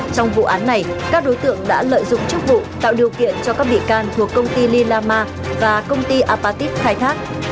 trong vụ án này các đối tượng đã lợi dụng chức vụ tạo điều kiện cho các bị can thuộc công ty lila ma và công ty apatit khai thác